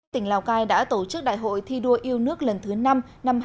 tỉnh lào cai đã tổ chức đại hội thi đua yêu nước lần thứ năm năm hai nghìn hai mươi